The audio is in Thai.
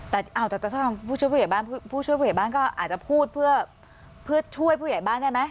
แต่ถ้าผู้ช่วยผู้ใหญ่บ้านก็อาจจะพูดเพื่อช่วยผู้ใหญ่บ้านได้ไหม